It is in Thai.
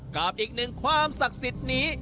กับอีกหนึ่งความศักดิ์สิทธิ์นี้